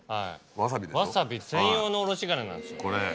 わさび専用のおろし金なんです。